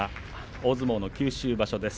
大相撲九州場所です。